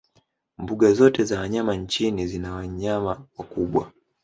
mbuga zote za wanyama nchini zina wanayama wakubwa